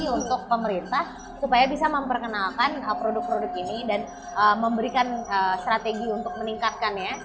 untuk pemerintah supaya bisa memperkenalkan produk produk ini dan memberikan strategi untuk meningkatkannya